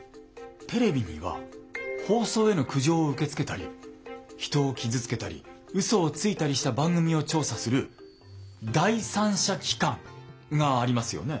テレビには放送への苦情を受け付けたり人を傷つけたりうそをついたりした番組を調査する第三者機関がありますよね？